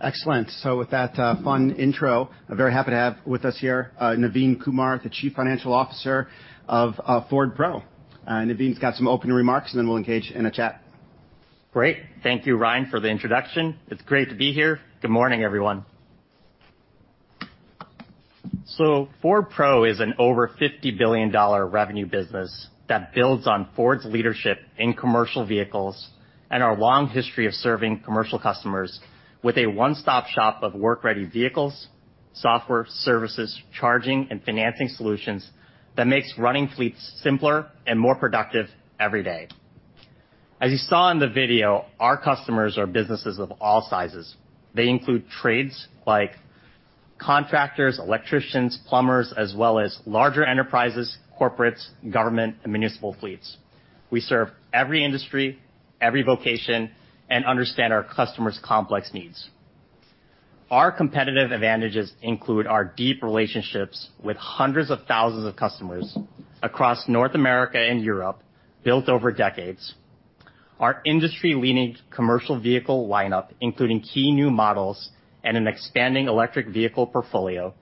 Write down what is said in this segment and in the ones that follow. Excellent! With that fun intro, I'm very happy to have with us here Navin Kumar, the Chief Financial Officer of Ford Pro. Navin got some opening remarks, and then we'll engage in a chat. Great. Thank you, Ryan, for the introduction. It's great to be here. Good morning, everyone. Ford Pro is an over $50 billion revenue business that builds on Ford's leadership in commercial vehicles and our long history of serving commercial customers with a one-stop shop of work-ready vehicles, software, services, charging, and financing solutions that makes running fleets simpler and more productive every day. As you saw in the video, our customers are businesses of all sizes. They include trades like contractors, electricians, plumbers, as well as larger enterprises, corporates, government, and municipal fleets. We serve every industry, every vocation, and understand our customers' complex needs. Our competitive advantages include our deep relationships with hundreds of thousands of customers across North America and Europe, built over decades. Our industry-leading commercial vehicle lineup, including key new models and an expanding electric vehicle portfolio,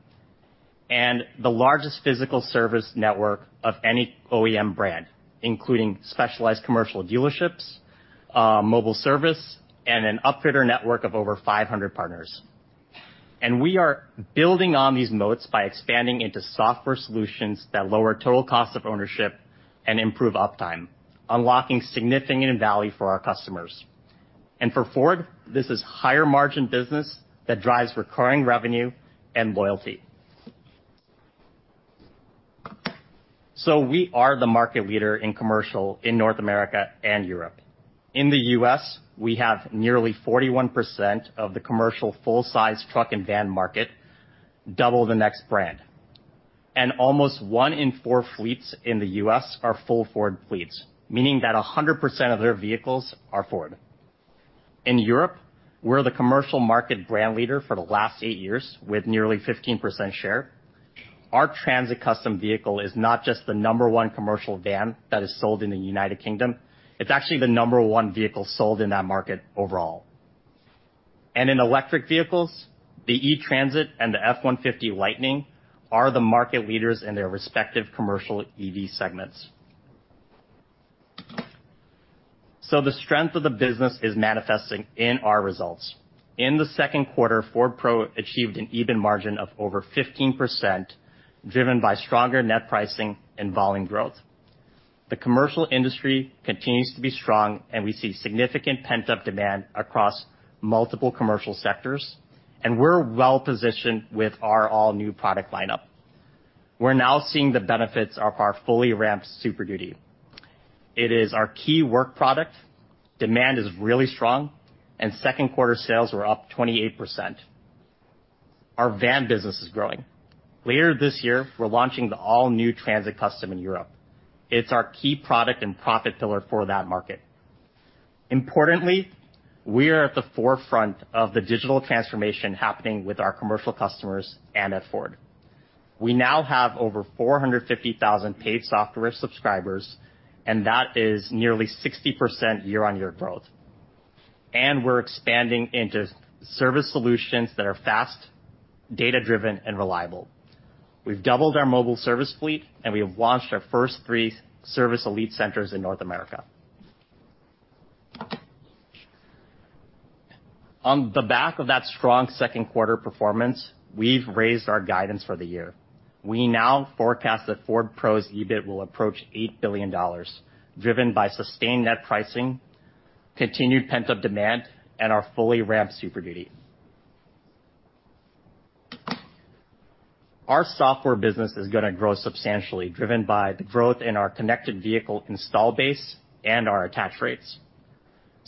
and the largest physical service network of any OEM brand, including specialized commercial dealerships, mobile service, and an upfitter network of over 500 partners. We are building on these moats by expanding into software solutions that lower total cost of ownership and improve uptime, unlocking significant value for our customers. For Ford, this is higher-margin business that drives recurring revenue and loyalty. We are the market leader in commercial in North America and Europe. In the US, we have nearly 41% of the commercial full-size truck and van market, double the next brand, and almost one in four fleets in the US are full Ford fleets, meaning that 100% of their vehicles are Ford. In Europe, we're the commercial market brand leader for the last eight years, with nearly 15% share. Our Transit Custom vehicle is not just the number one commercial van that is sold in the United Kingdom, it's actually the number one vehicle sold in that market overall. In electric vehicles, the E-Transit and the F-150 Lightning are the market leaders in their respective commercial EV segments. The strength of the business is manifesting in our results. In the second quarter, Ford Pro achieved an EBIT margin of over 15%, driven by stronger net pricing and volume growth. The commercial industry continues to be strong, and we see significant pent-up demand across multiple commercial sectors, and we're well-positioned with our all-new product lineup. We're now seeing the benefits of our fully ramped Super Duty. It is our key work product. Demand is really strong. Second-quarter sales were up 28%. Our van business is growing. Later this year, we're launching the all-new Transit Custom in Europe. It's our key product and profit pillar for that market. Importantly, we are at the forefront of the digital transformation happening with our commercial customers and at Ford. We now have over 450,000 paid software subscribers. That is nearly 60% year-on-year growth. We're expanding into service solutions that are fast, data-driven, and reliable. We've doubled our mobile service fleet. We have launched our first three service elite centers in North America. On the back of that strong second-quarter performance, we've raised our guidance for the year. We now forecast that Ford Pro's EBIT will approach $8 billion, driven by sustained net pricing, continued pent-up demand, and our fully ramped Super Duty. Our software business is gonna grow substantially, driven by the growth in our connected vehicle install base and our attach rates.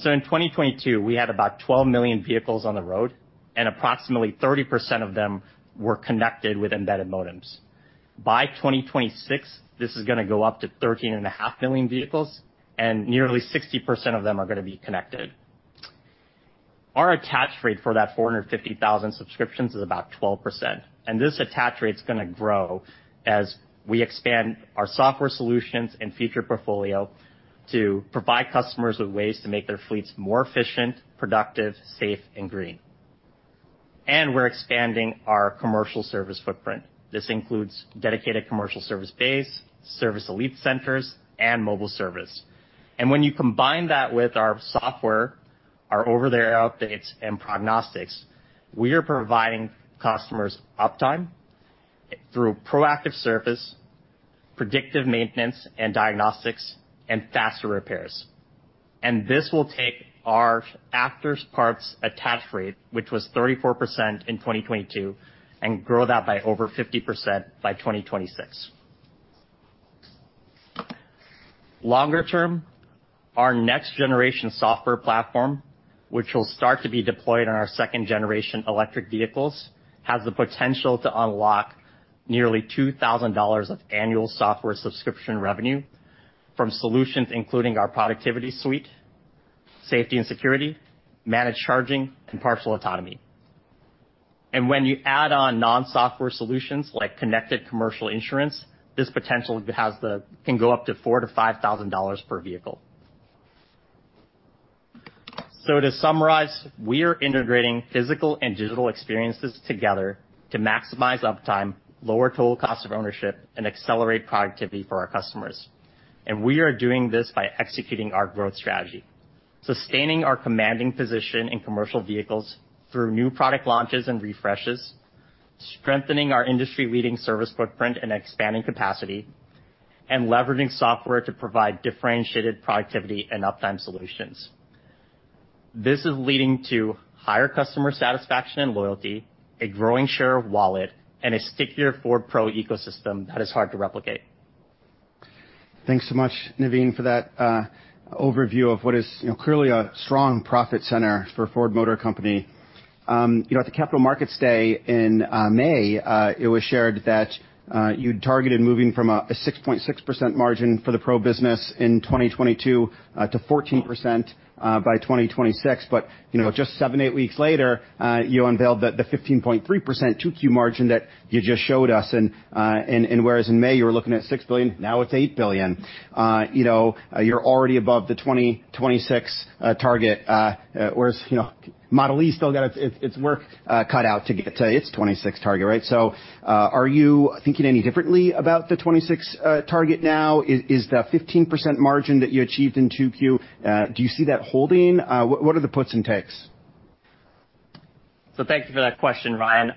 In 2022, we had about 12 million vehicles on the road, and approximately 30% of them were connected with embedded modems. By 2026, this is gonna go up to 13.5 million vehicles, and nearly 60% of them are gonna be connected. Our attach rate for that 450,000 subscriptions is about 12%, and this attach rate is gonna grow as we expand our software solutions and feature portfolio to provide customers with ways to make their fleets more efficient, productive, safe, and green. We're expanding our commercial service footprint. This includes dedicated commercial service base, service elite centers, and mobile service. When you combine that with our software, our over-the-air updates, and prognostics, we are providing customers uptime through proactive service, predictive maintenance and diagnostics, and faster repairs. This will take our aftermarket parts attach rate, which was 34% in 2022, and grow that by over 50% by 2026. Longer term, our next-generation software platform, which will start to be deployed on our second-generation electric vehicles, has the potential to unlock nearly $2,000 of annual software subscription revenue from solutions including our productivity suite, safety and security, managed charging, and partial autonomy. When you add on non-software solutions like connected commercial insurance, this potential can go up to $4,000-$5,000 per vehicle. To summarize, we are integrating physical and digital experiences together to maximize uptime, lower total cost of ownership, and accelerate productivity for our customers. We are doing this by executing our growth strategy, sustaining our commanding position in commercial vehicles through new product launches and refreshes, strengthening our industry-leading service footprint and expanding capacity, and leveraging software to provide differentiated productivity and uptime solutions. This is leading to higher customer satisfaction and loyalty, a growing share of wallet, and a stickier Ford Pro ecosystem that is hard to replicate. Thanks so much, Navin, for that overview of what is, you know, clearly a strong profit center for Ford Motor Company. You know, at the Capital Markets Day in May, it was shared that you'd targeted moving from a 6.6% margin for the Pro business in 2022 to 14% by 2026. You know, just seven, eight weeks later, you unveiled the 15.3% 2Q margin that you just showed us. Whereas in May, you were looking at $6 billion, now it's $8 billion. You know, you're already above the 2026 target, whereas, you know, Model e still got its, its, its work cut out to get to its 2026 target, right? Are you thinking any differently about the 26 target now? Is, is the 15% margin that you achieved in 2Q, do you see that holding? What, what are the puts and takes? Thank you for that question, Ryan.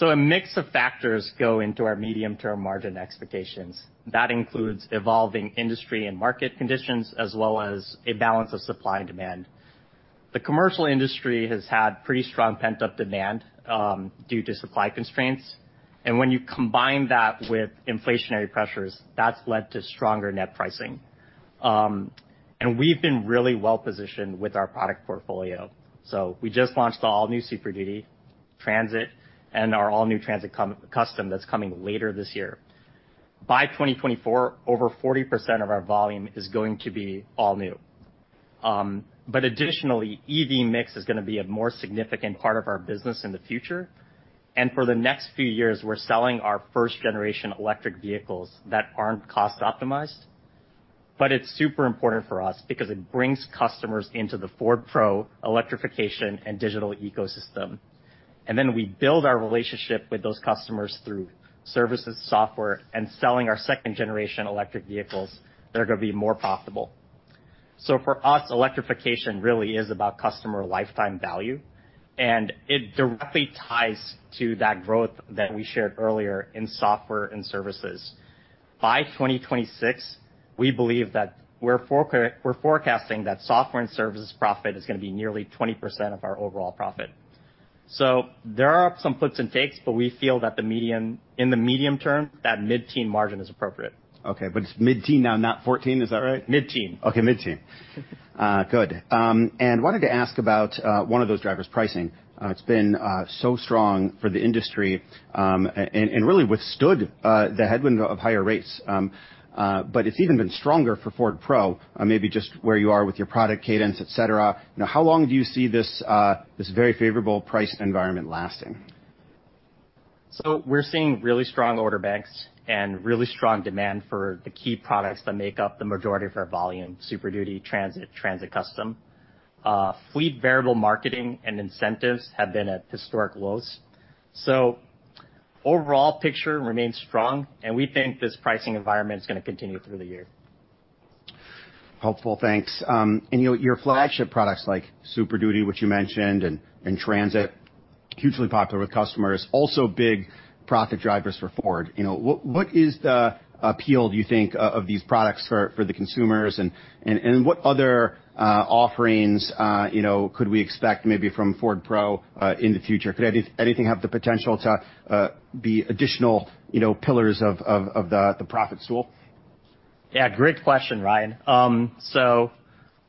A mix of factors go into our medium-term margin expectations. That includes evolving industry and market conditions, as well as a balance of supply and demand. The commercial industry has had pretty strong pent-up demand, due to supply constraints, and when you combine that with inflationary pressures, that's led to stronger net pricing. We've been really well positioned with our product portfolio. We just launched the all-new Super Duty, Transit, and our all-new Transit Custom that's coming later this year. By 2024, over 40% of our volume is going to be all new. Additionally, EV mix is gonna be a more significant part of our business in the future, and for the next few years, we're selling our first-generation electric vehicles that aren't cost-optimized. It's super important for us because it brings customers into the Ford Pro electrification and digital ecosystem. Then we build our relationship with those customers through services, software, and selling our second-generation electric vehicles that are gonna be more profitable. For us, electrification really is about customer lifetime value, and it directly ties to that growth that we shared earlier in software and services. By 2026, we believe that we're forecasting that software and services profit is gonna be nearly 20% of our overall profit. There are some puts and takes, but we feel that in the medium term, that mid-teen margin is appropriate. Okay, it's mid-teen now, not 14, is that right? Mid-teen. Okay, mid-teen. Good. Wanted to ask about one of those drivers, pricing. It's been so strong for the industry, and really withstood the headwind of higher rates. It's even been stronger for Ford Pro, maybe just where you are with your product cadence, et cetera. Now, how long do you see this very favorable price environment lasting? We're seeing really strong order banks and really strong demand for the key products that make up the majority of our volume, Super Duty, Transit, Transit Custom. Fleet variable marketing and incentives have been at historic lows, so overall picture remains strong, and we think this pricing environment is gonna continue through the year. Helpful. Thanks. You know, your flagship products like Super Duty, which you mentioned, and, and Transit, hugely popular with customers, also big profit drivers for Ford. You know, what, what is the appeal, do you think, of, of these products for, for the consumers? And, and what other offerings, you know, could we expect maybe from Ford Pro in the future? Could anything have the potential to be additional, you know, pillars of, of, of the, the profit stool? Yeah, great question, Ryan. So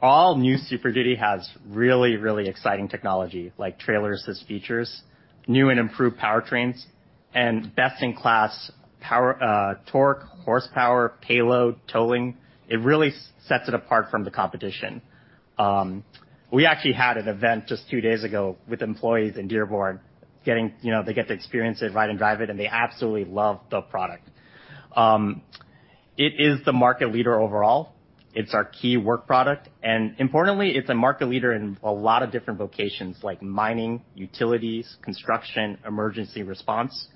all new Super Duty has really, really exciting technology, like trailers as features, new and improved powertrains, and best-in-class power, torque, horsepower, payload, towing. It really sets it apart from the competition. We actually had an event just two days ago with employees in Dearborn, getting... You know, they get to experience it, ride and drive it, and they absolutely love the product. It is the market leader overall. It's our key work product, and importantly, it's a market leader in a lot of different vocations, like mining, utilities, construction, emergency response.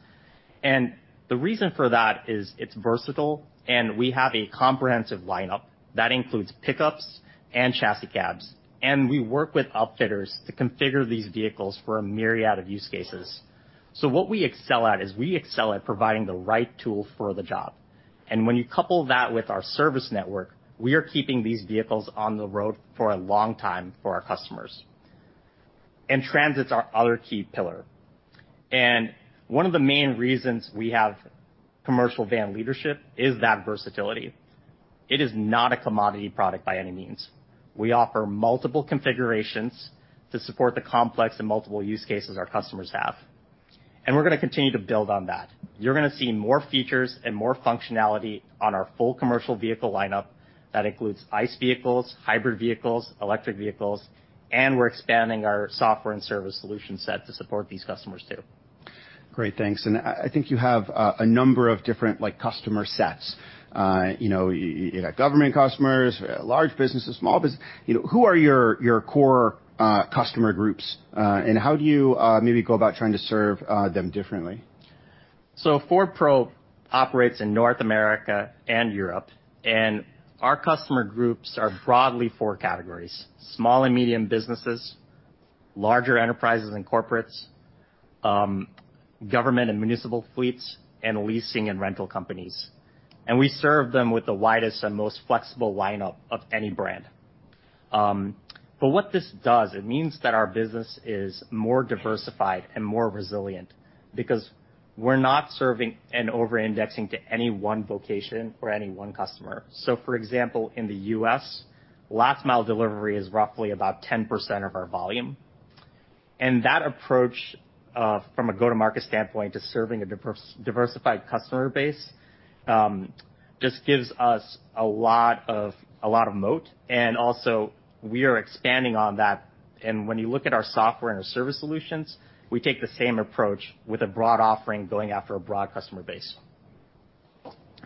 The reason for that is it's versatile, and we have a comprehensive lineup that includes pickups and chassis cabs, and we work with upfitters to configure these vehicles for a myriad of use cases. What we excel at is we excel at providing the right tool for the job, and when you couple that with our service network, we are keeping these vehicles on the road for a long time for our customers. Transit's our other key pillar, and one of the main reasons we have commercial van leadership is that versatility. It is not a commodity product by any means. We offer multiple configurations to support the complex and multiple use cases our customers have. We're gonna continue to build on that. You're gonna see more features and more functionality on our full commercial vehicle lineup. That includes ICE vehicles, hybrid vehicles, electric vehicles, and we're expanding our software and service solution set to support these customers, too. Great, thanks. I, I think you have a number of different, like, customer sets. you know, you have government customers, large businesses, small business. You know, who are your, your core customer groups, and how do you maybe go about trying to serve them differently? Ford Pro operates in North America and Europe, and our customer groups are broadly four categories: small and medium businesses, larger enterprises and corporates, government and municipal fleets, and leasing and rental companies. We serve them with the widest and most flexible lineup of any brand. What this does, it means that our business is more diversified and more resilient because we're not serving and over-indexing to any one vocation or any one customer. For example, in the US, last mile delivery is roughly about 10% of our volume, and that approach from a go-to-market standpoint, to serving a diversified customer base, just gives us a lot of moat, and also we are expanding on that. When you look at our software and our service solutions, we take the same approach with a broad offering, going after a broad customer base.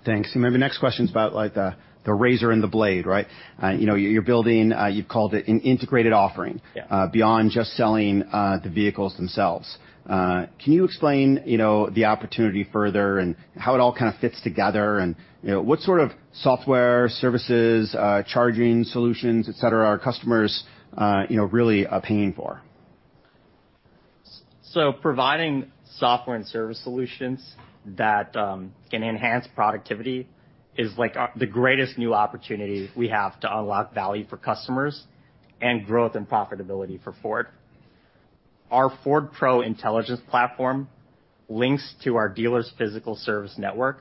Thanks. My next question's about, like, the, the razor and the blade, right? You know, you're building, you've called it an integrated offering- Yeah. beyond just selling, the vehicles themselves. Can you explain, you know, the opportunity further and how it all kind of fits together and, you know, what sort of software, services, charging solutions, et cetera, are customers, you know, really, paying for? Providing software and service solutions that, can enhance productivity is, like, the greatest new opportunity we have to unlock value for customers and growth and profitability for Ford. Our Ford Pro Intelligence platform links to our dealers' physical service network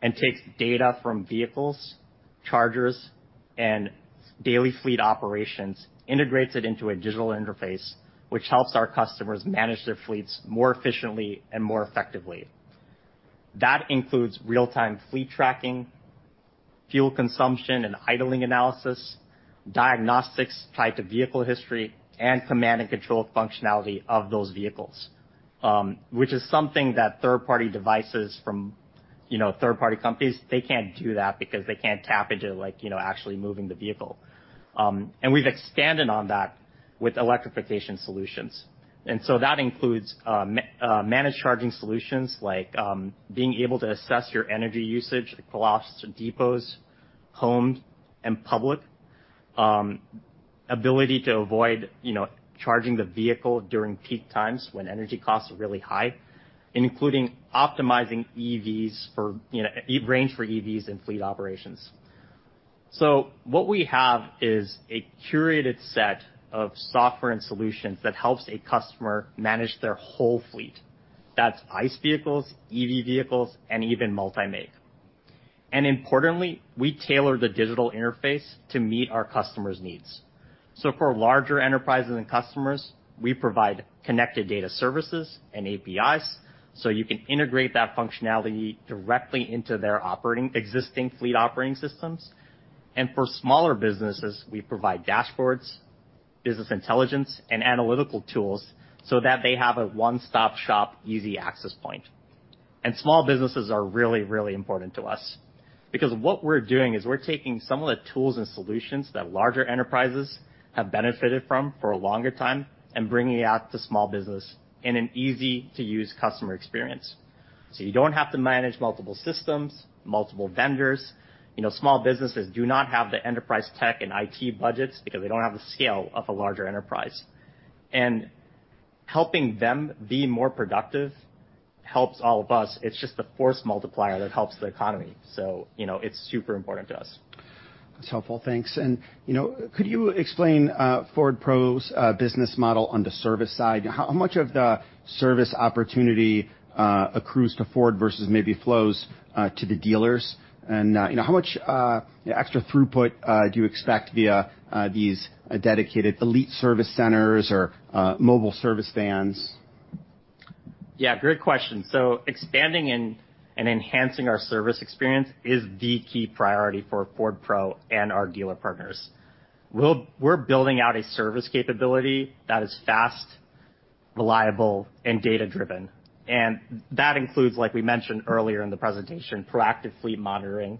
and takes data from vehicles, chargers, and daily fleet operations, integrates it into a digital interface, which helps our customers manage their fleets more efficiently and more effectively. That includes real-time fleet tracking, fuel consumption, and idling analysis, diagnostics tied to vehicle history, and command and control functionality of those vehicles. Which is something that third-party devices from, you know, third-party companies, they can't do that because they can't tap into, like, you know, actually moving the vehicle. We've expanded on that with electrification solutions, so that includes managed charging solutions, like being able to assess your energy usage at depots, homes, and public. Ability to avoid, you know, charging the vehicle during peak times when energy costs are really high, including optimizing range for EVs and fleet operations. What we have is a curated set of software and solutions that helps a customer manage their whole fleet. That's ICE vehicles, EV vehicles, and even multi-make. Importantly, we tailor the digital interface to meet our customer's needs. For larger enterprises and customers, we provide connected data services and APIs, so you can integrate that functionality directly into their existing fleet operating systems. For smaller businesses, we provide dashboards, business intelligence, and analytical tools so that they have a one-stop shop, easy access point. Small businesses are really, really important to us because what we're doing is we're taking some of the tools and solutions that larger enterprises have benefited from for a longer time and bringing it out to small business in an easy-to-use customer experience. You don't have to manage multiple systems, multiple vendors. You know, small businesses do not have the enterprise tech and IT budgets because they don't have the scale of a larger enterprise. Helping them be more productive helps all of us. It's just a force multiplier that helps the economy, so, you know, it's super important to us. That's helpful. Thanks. You know, could you explain Ford Pro's business model on the service side? How much of the service opportunity accrues to Ford versus maybe flows to the dealers? You know, how much extra throughput do you expect via these dedicated Elite Service Centers or mobile service vans? Yeah, great question. Expanding and enhancing our service experience is the key priority for Ford Pro and our dealer partners. We're building out a service capability that is fast, reliable, and data-driven, and that includes, like we mentioned earlier in the presentation, proactive fleet monitoring,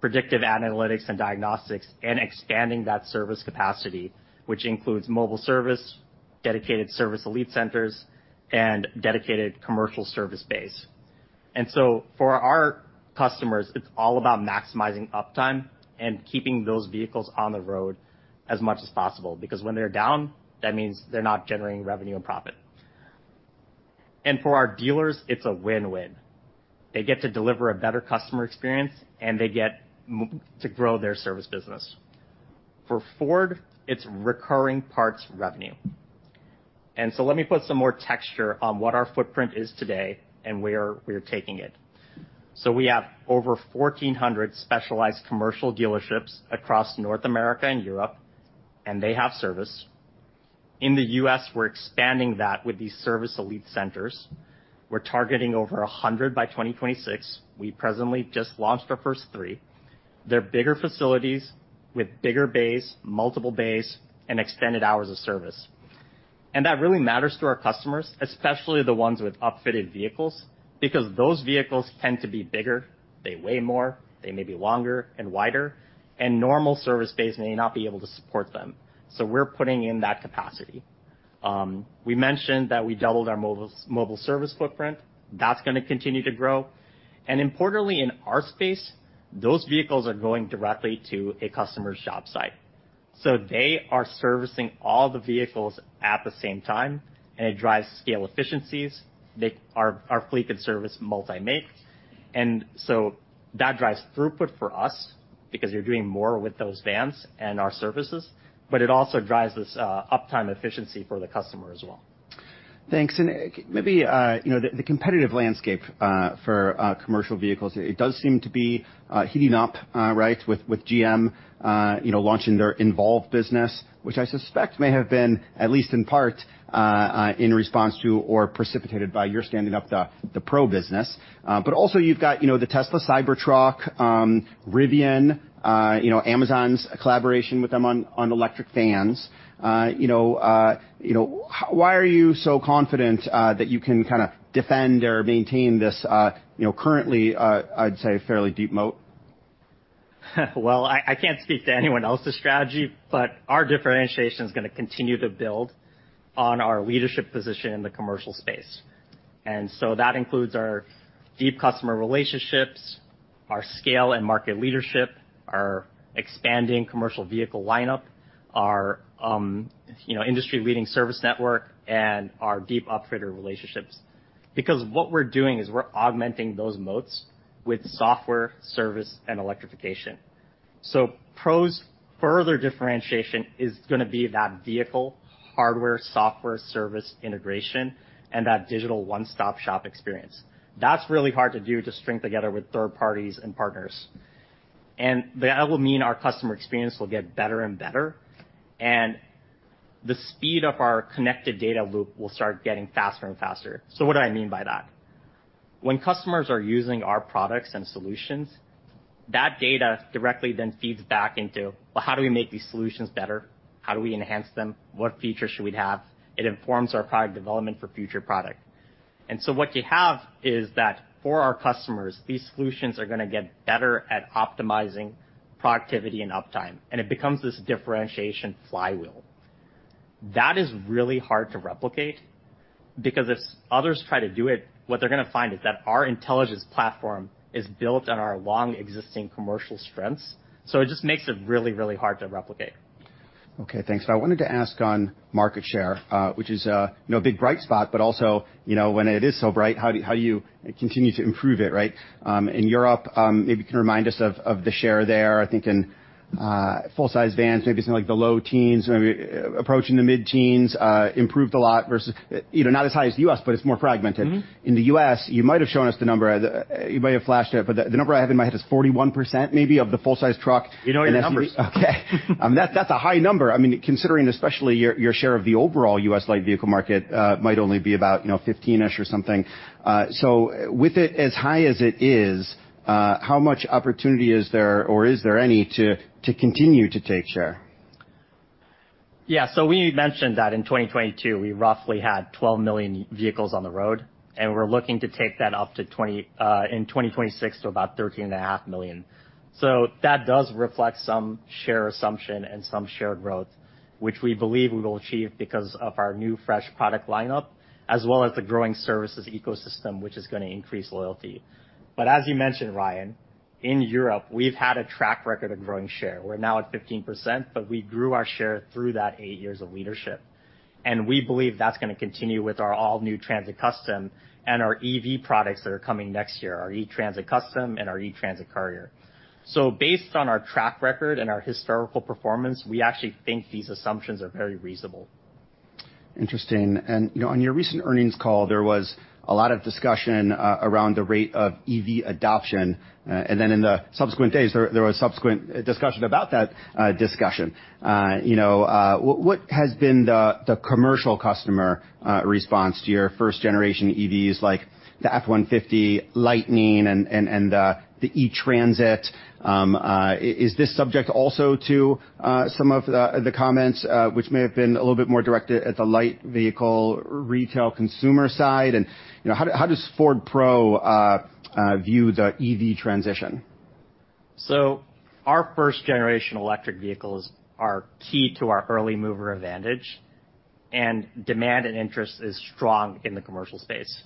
predictive analytics and diagnostics, and expanding that service capacity, which includes mobile service, dedicated service elite centers, and dedicated commercial service base. For our customers, it's all about maximizing uptime and keeping those vehicles on the road as much as possible, because when they're down, that means they're not generating revenue and profit. For our dealers, it's a win-win. They get to deliver a better customer experience, and they get to grow their service business. For Ford, it's recurring parts revenue. Let me put some more texture on what our footprint is today and where we're taking it. We have over 1,400 specialized commercial dealerships across North America and Europe. They have service. In the U.S., we're expanding that with these service Elite centers. We're targeting over 100 by 2026. We presently just launched our first three. They're bigger facilities with bigger bays, multiple bays, and extended hours of service. That really matters to our customers, especially the ones with upfitted vehicles, because those vehicles tend to be bigger, they weigh more, they may be longer and wider, and normal service bays may not be able to support them. We're putting in that capacity. We mentioned that we doubled our mobile, mobile service footprint. That's gonna continue to grow. Importantly, in our space, those vehicles are going directly to a customer's job site. They are servicing all the vehicles at the same time, and it drives scale efficiencies. Our, our fleet can service multi-make, that drives throughput for us because you're doing more with those vans and our services, but it also drives this uptime efficiency for the customer as well. Thanks. Maybe, you know, the competitive landscape for commercial vehicles, it does seem to be heating up, right, with GM, you know, launching their GM Envolve, which I suspect may have been, at least in part, in response to or precipitated by your standing up the Pro business. Also, you've got, you know, the Tesla Cybertruck, Rivian, you know, Amazon's collaboration with them on electric vans. You know, why are you so confident that you can kinda defend or maintain this, you know, currently, I'd say fairly deep moat? Well, I, I can't speak to anyone else's strategy, but our differentiation is gonna continue to build on our leadership position in the commercial space. That includes our deep customer relationships, our scale and market leadership, our expanding commercial vehicle lineup, our, you know, industry-leading service network, and our deep upfitter relationships. What we're doing is we're augmenting those moats with software, service, and electrification. Pro's further differentiation is gonna be that vehicle, hardware, software, service, integration, and that digital one-stop-shop experience. That's really hard to do to string together with third parties and partners. That will mean our customer experience will get better and better, and the speed of our connected data loop will start getting faster and faster. What do I mean by that? When customers are using our products and solutions, that data directly then feeds back into, Well, how do we make these solutions better? How do we enhance them? What features should we have? It informs our product development for future product. What you have is that for our customers, these solutions are gonna get better at optimizing productivity and uptime, and it becomes this differentiation flywheel. That is really hard to replicate because if others try to do it, what they're gonna find is that our intelligence platform is built on our long-existing commercial strengths, so it just makes it really, really hard to replicate. Okay, thanks. I wanted to ask on market share, which is, you know, a big bright spot, but also, you know, when it is so bright, how do you, how you continue to improve it, right? In Europe, maybe you can remind us of, of the share there. I think in full-size vans, maybe something like the low teens, maybe approaching the mid-teens, improved a lot versus... You know, not as high as the US, but it's more fragmented. In the US, you might have shown us the number, you might have flashed it, but the, the number I have in my head is 41%, maybe, of the full-size truck. You know your numbers. Okay. That, that's a high number. I mean, considering especially your, your share of the overall U.S. light vehicle market, might only be about, you know, 15-ish or something. With it as high as it is, how much opportunity is there, or is there any to, to continue to take share? Yeah, we mentioned that in 2022, we roughly had 12 million vehicles on the road, and we're looking to take that up to 2026 to about 13.5 million. That does reflect some share assumption and some shared growth, which we believe we will achieve because of our new, fresh product lineup, as well as the growing services ecosystem, which is gonna increase loyalty. As you mentioned, Ryan, in Europe, we've had a track record of growing share. We're now at 15%, but we grew our share through that 8 years of leadership, and we believe that's gonna continue with our all-new Transit Custom and our EV products that are coming next year, our E-Transit Custom and our E-Transit Courier. Based on our track record and our historical performance, we actually think these assumptions are very reasonable. Interesting. You know, on your recent earnings call, there was a lot of discussion around the rate of EV adoption, and then in the subsequent days, there was subsequent discussion about that discussion. You know, what has been the commercial customer response to your first generation EVs, like the F-150 Lightning and the E-Transit? Is this subject also to some of the comments, which may have been a little bit more directed at the light vehicle, retail consumer side? You know, how does Ford Pro view the EV transition? Our first generation electric vehicles are key to our early mover advantage, and demand and interest is strong in the commercial space.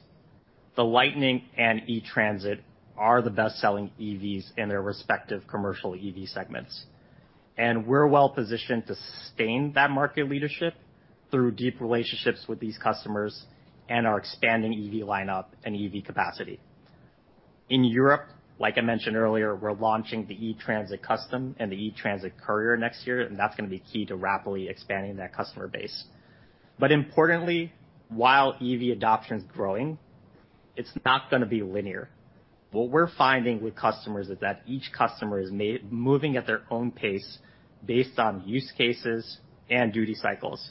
The Lightning and E-Transit are the best-selling EVs in their respective commercial EV segments, and we're well positioned to sustain that market leadership through deep relationships with these customers and our expanding EV lineup and EV capacity. In Europe, like I mentioned earlier, we're launching the E-Transit Custom and the E-Transit Courier next year, and that's gonna be key to rapidly expanding that customer base. Importantly, while EV adoption is growing, it's not going to be linear. What we're finding with customers is that each customer is moving at their own pace based on use cases and duty cycles.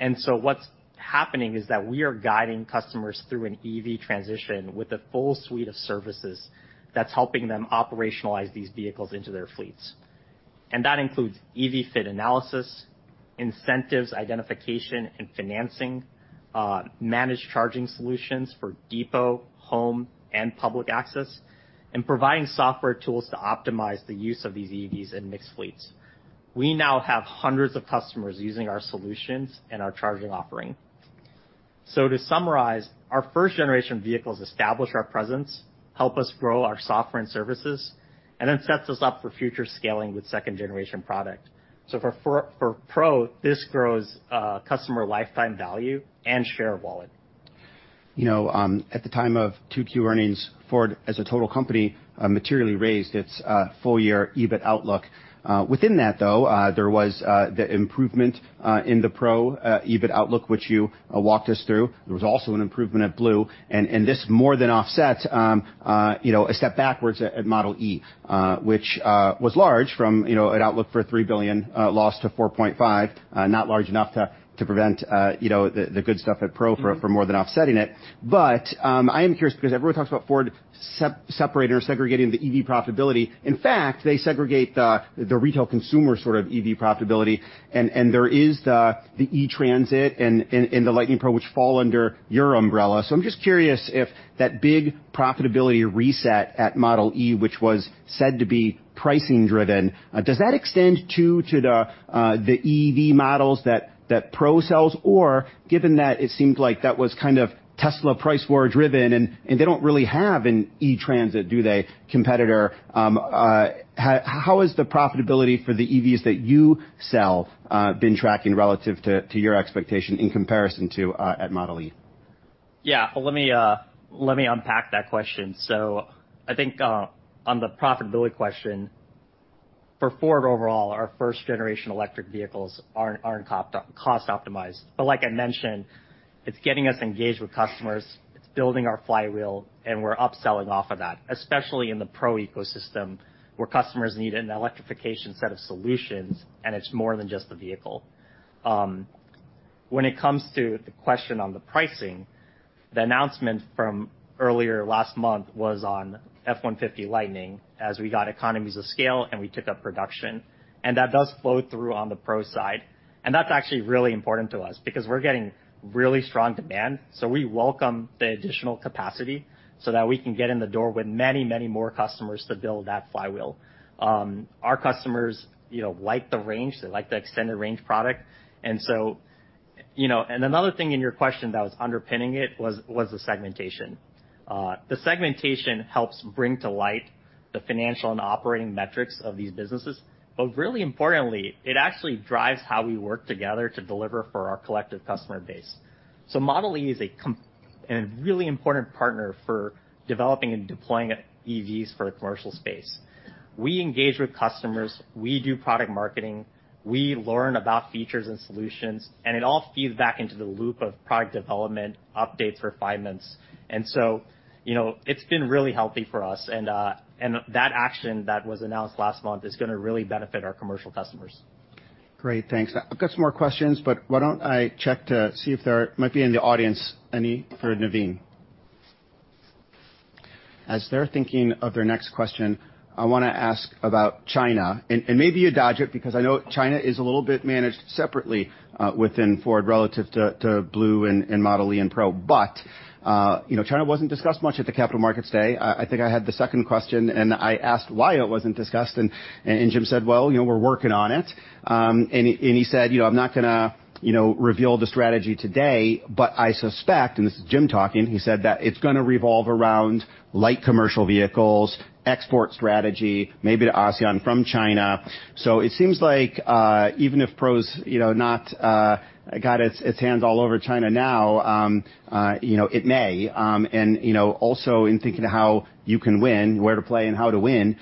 What's happening is that we are guiding customers through an EV transition with a full suite of services that's helping them operationalize these vehicles into their fleets. That includes EV fit analysis, incentives, identification, and financing, managed charging solutions for depot, home, and public access, and providing software tools to optimize the use of these EVs in mixed fleets. We now have hundreds of customers using our solutions and our charging offering. To summarize, our first-generation vehicles establish our presence, help us grow our software and services, and then sets us up for future scaling with second-generation product. For Ford Pro, this grows customer lifetime value and share of wallet. You know, at the time of 2Q earnings, Ford, as a total company, materially raised its full year EBIT outlook. Within that, though, there was the improvement in the Pro EBIT outlook, which you walked us through. There was also an improvement at Blue, and this more than offsets, you know, a step backwards at Model e, which was large from, you know, an outlook for a $3 billion loss to $4.5 billion. Not large enough to prevent, you know, the good stuff at Pro. for more than offsetting it. I am curious because everyone talks about Ford separating or segregating the EV profitability. In fact, they segregate the retail consumer sort of EV profitability, and there is the E-Transit and the Lightning Pro, which fall under your umbrella. So I'm just curious if that big profitability reset at Ford Model e, which was said to be pricing driven, does that extend too to the EV models that Ford Pro sells? Or given that it seemed like that was kind of Tesla price war-driven, and they don't really have an E-Transit, do they, competitor, how is the profitability for the EVs that you sell, been tracking relative to, to your expectation in comparison to, at Ford Model e? Yeah. Well, let me let me unpack that question. I think, on the profitability question, for Ford overall, our first-generation electric vehicles aren't, aren't cost, cost optimized. Like I mentioned, it's getting us engaged with customers, it's building our flywheel, and we're upselling off of that, especially in the Pro ecosystem, where customers need an electrification set of solutions, and it's more than just the vehicle. When it comes to the question on the pricing, the announcement from earlier last month was on F-150 Lightning as we got economies of scale, and we ticked up production. That does flow through on the Pro side. That's actually really important to us because we're getting really strong demand, so we welcome the additional capacity so that we can get in the door with many, many more customers to build that flywheel. Our customers, you know, like the range, they like the extended range product. Another thing in your question that was underpinning it was the segmentation. The segmentation helps bring to light the financial and operating metrics of these businesses, but really importantly, it actually drives how we work together to deliver for our collective customer base. Model e is a really important partner for developing and deploying EVs for the commercial space. We engage with customers, we do product marketing, we learn about features and solutions, and it all feeds back into the loop of product development, updates, refinements. You know, it's been really healthy for us, and that action that was announced last month is going to really benefit our commercial customers. Great, thanks. I've got some more questions. Why don't I check to see if there might be in the audience any for Navin? As they're thinking of their next question, I want to ask about China, and maybe you dodge it because I know China is a little bit managed separately, within Ford relative to, to Ford Blue and Ford Model e and Ford Pro. You know, China wasn't discussed much at the Capital Markets Day. I think I had the second question, and I asked why it wasn't discussed, and Jim said, "Well, you know, we're working on it." He said: "You know, I'm not going to, you know, reveal the strategy today, but I suspect," and this is Jim talking, he said, "that it's going to revolve around light commercial vehicles, export strategy, maybe to ASEAN from China." It seems like, even if Pro's, you know, not, got its, its hands all over China now, you know, it may. You know, also in thinking of how you can win, where to play and how to win,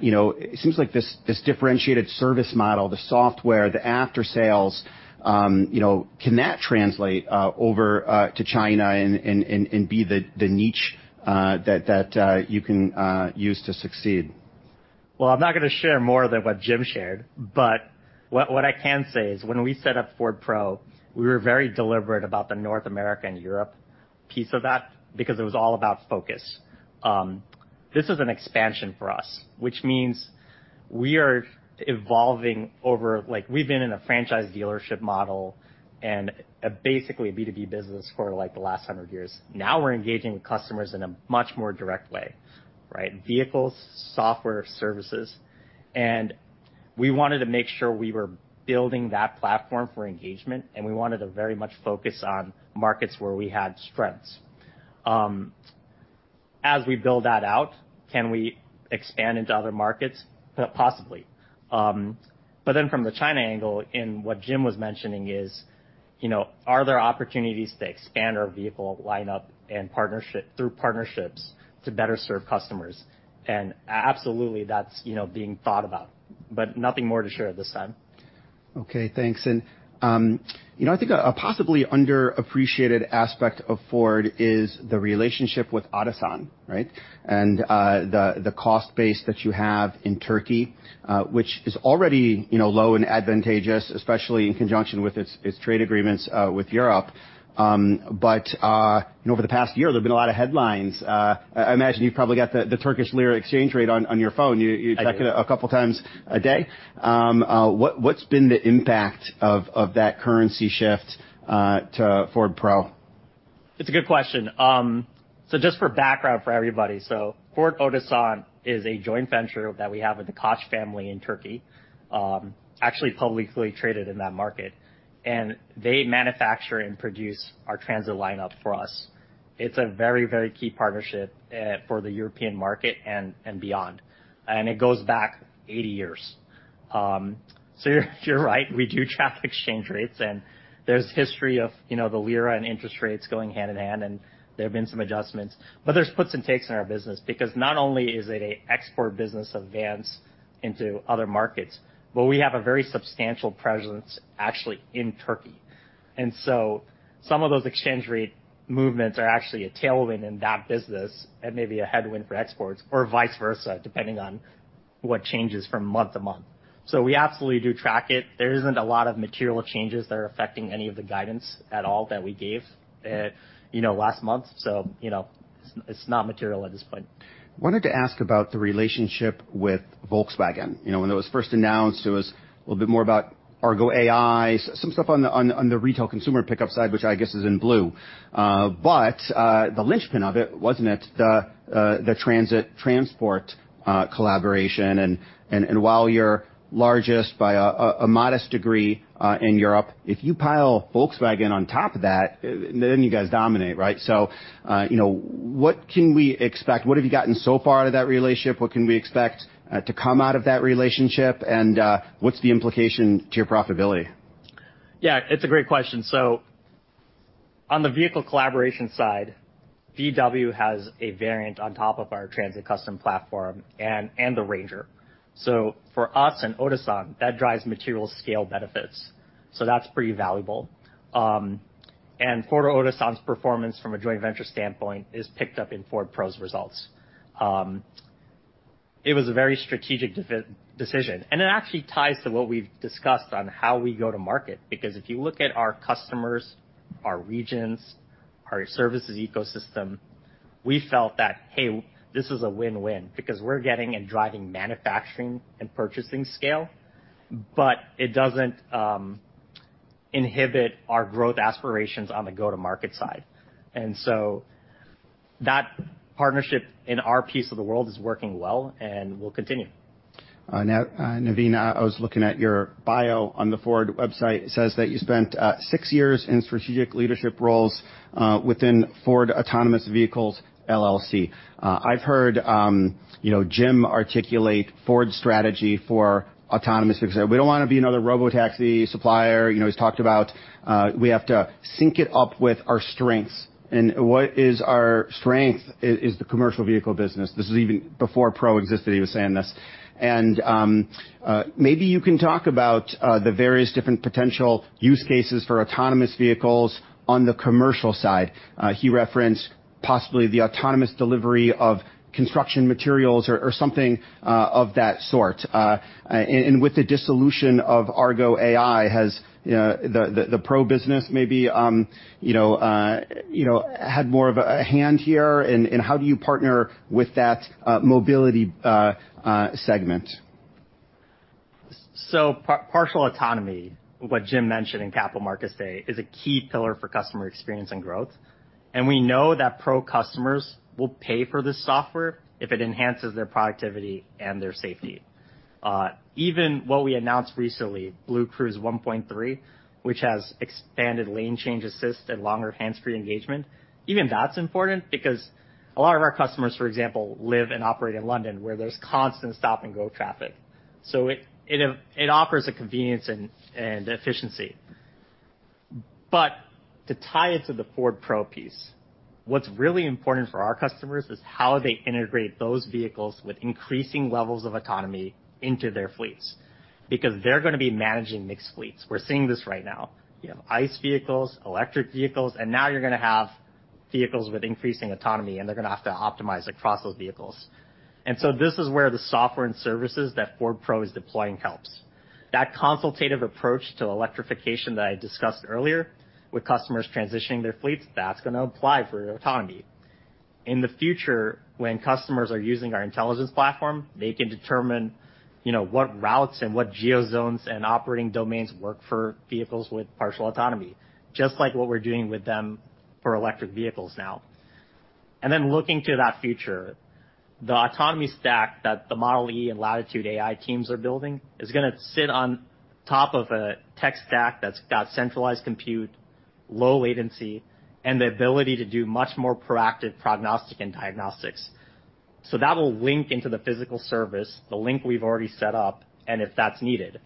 you know, it seems like this, this differentiated service model, the software, the after-sales, you know, can that translate over to China and, and, and, and be the, the niche, that, that, you can use to succeed? Well, I'm not going to share more than what Jim shared, but what, what I can say is, when we set up Ford Pro, we were very deliberate about the North America and Europe piece of that because it was all about focus. This is an expansion for us, which means we are evolving like, we've been in a franchise dealership model and a basically a B2B business for, like, the last 100 years. Now we're engaging with customers in a much more direct way, right? Vehicles, software, services, and we wanted to make sure we were building that platform for engagement, and we wanted to very much focus on markets where we had strengths. As we build that out, can we expand into other markets? Possibly. Then from the China angle, and what Jim was mentioning, is, you know, are there opportunities to expand our vehicle lineup and partnership-- through partnerships to better serve customers? Absolutely, that's, you know, being thought about, but nothing more to share at this time.... Okay, thanks. You know, I think a, a possibly underappreciated aspect of Ford is the relationship with Otosan, right? The, the cost base that you have in Turkey, which is already, you know, low and advantageous, especially in conjunction with its, its trade agreements, with Europe. You know, over the past year, there have been a lot of headlines. I imagine you've probably got the, the Turkish lira exchange rate on, on your phone. You, you- I do. -check it a couple times a day. What, what's been the impact of, of that currency shift, to Ford Pro? It's a good question. Just for background for everybody, Ford Otosan is a joint venture that we have with the Koç family in Turkey, actually publicly traded in that market, and they manufacture and produce our Transit lineup for us. It's a very, very key partnership for the European market and beyond, and it goes back 80 years. You're right, we do track exchange rates, and there's history of, you know, the Turkish lira and interest rates going hand in hand, and there have been some adjustments. There's puts and takes in our business because not only is it a export business of vans into other markets, but we have a very substantial presence actually in Turkey. Some of those exchange rate movements are actually a tailwind in that business and maybe a headwind for exports, or vice versa, depending on what changes from month to month. We absolutely do track it. There isn't a lot of material changes that are affecting any of the guidance at all that we gave, you know, last month, so, you know, it's, it's not material at this point. Wanted to ask about the relationship with Volkswagen. You know, when it was first announced, it was a little bit more about Argo AI, some stuff on the retail consumer pickup side, which I guess is in Ford Blue. The linchpin of it, wasn't it, the transit transport collaboration? While you're largest by a modest degree in Europe, if you pile Volkswagen on top of that, then you guys dominate, right? You know, what can we expect? What have you gotten so far out of that relationship? What can we expect to come out of that relationship, and what's the implication to your profitability? Yeah, it's a great question. On the vehicle collaboration side, VW has a variant on top of our Transit Custom platform and the Ranger. For us and Otosan, that drives material scale benefits, so that's pretty valuable. Ford Otosan's performance from a joint venture standpoint is picked up in Ford Pro's results. It was a very strategic decision, it actually ties to what we've discussed on how we go to market. If you look at our customers, our regions, our services ecosystem, we felt that, hey, this was a win-win because we're getting and driving manufacturing and purchasing scale, but it doesn't inhibit our growth aspirations on the go-to-market side. That partnership in our piece of the world is working well and will continue. Now, Navin, I was looking at your bio on the Ford website. It says that you spent 6 years in strategic leadership roles within Ford Autonomous Vehicles LLC. I've heard, you know, Jim articulate Ford's strategy for autonomous vehicles. "We don't want to be another robotaxi supplier." You know, he's talked about, we have to sync it up with our strengths, and what is our strength is, is the commercial vehicle business. This is even before Pro existed, he was saying this. Maybe you can talk about the various different potential use cases for autonomous vehicles on the commercial side. He referenced possibly the autonomous delivery of construction materials or, or something of that sort. With the dissolution of Argo AI, has the Pro business maybe, you know, you know, had more of a hand here, and how do you partner with that mobility segment? Partial autonomy, what Jim mentioned in Capital Markets Day, is a key pillar for customer experience and growth, and we know that Pro customers will pay for this software if it enhances their productivity and their safety. Even what we announced recently, BlueCruise 1.3, which has expanded Lane Change Assist and longer hands-free engagement, even that's important because a lot of our customers, for example, live and operate in London, where there's constant stop-and-go traffic, so it offers a convenience and efficiency. To tie it to the Ford Pro piece, what's really important for our customers is how they integrate those vehicles with increasing levels of autonomy into their fleets. They're going to be managing mixed fleets. We're seeing this right now. You have ICE vehicles, electric vehicles, and now you're going to have vehicles with increasing autonomy, and they're going to have to optimize across those vehicles. This is where the software and services that Ford Pro is deploying helps. That consultative approach to electrification that I discussed earlier with customers transitioning their fleets, that's going to apply for autonomy. In the future, when customers are using our intelligence platform, they can determine, you know, what routes and what geo zones and operating domains work for vehicles with partial autonomy, just like what we're doing with them for electric vehicles now. Looking to that future, the autonomy stack that the Model e and Latitude AI teams are building is gonna sit on top of a tech stack that's got centralized compute, low latency, and the ability to do much more proactive prognostic and diagnostics. That will link into the physical service, the link we've already set up, and if that's needed.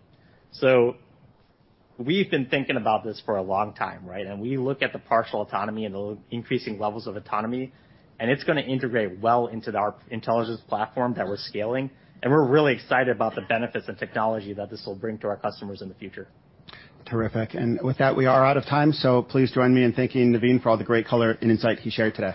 We've been thinking about this for a long time, right? We look at the partial autonomy and the increasing levels of autonomy, and it's going to integrate well into our intelligence platform that we're scaling, and we're really excited about the benefits and technology that this will bring to our customers in the future. Terrific. With that, we are out of time, so please join me in thanking Navin for all the great color and insight he shared today.